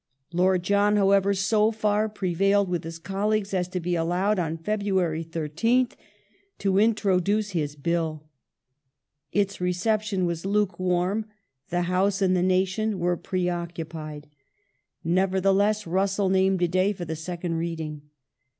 Lord John, however, so far prevailed with his colleagues as to be allowed, on February 13th, to introduce his Bill. Its reception was lukewarm ; the House and the nation were preoccupied. Nevertheless Russell named a day for the second reading.